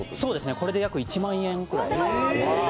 これで約１万円ぐらい。